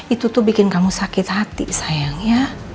itu tuh bikin kamu sakit hati sayangnya